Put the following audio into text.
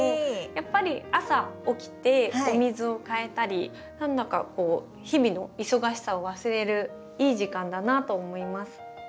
やっぱり朝起きてお水を替えたり何だか日々の忙しさを忘れるいい時間だなと思います。